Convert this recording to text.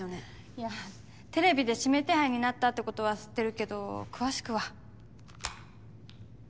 いやテレビで指名手配になったってことは知ってるけど詳しくは。